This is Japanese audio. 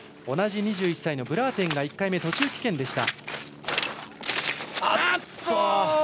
同じ２１歳のブラーテンが１回目途中棄権でした。